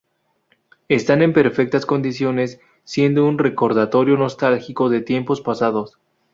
Están en perfectas condiciones siendo un recordatorio nostálgico de tiempos pasados.